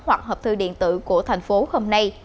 hoặc hợp thư điện tử của thành phố hôm nay